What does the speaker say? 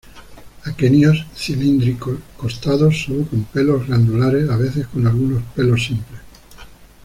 Aquenios cilíndricos, costados, sólo con pelos glandulares, a veces con algunos pelos simples.